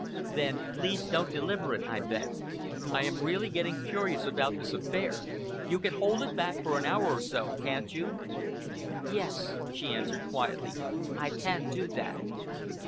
"Then please don't deliver it," I begged. "I am really getting curious about this affair. You can hold it back for an hour or so, can't you?" "Yes!" she answered quietly, "I can do that."